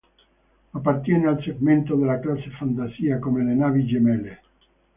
Appartiene al segmento della classe Fantasia, come le navi gemelle.